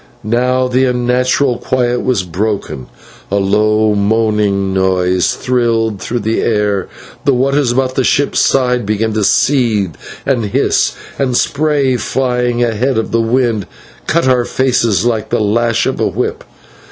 Now the unnatural quiet was broken, a low moaning noise thrilled through the air, the waters about the ship's side began to seethe and hiss, and spray flying ahead of the ship cut our faces like the lash of a whip.